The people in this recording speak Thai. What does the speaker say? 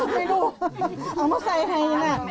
ไม่รู้เอามาใส่ใครละ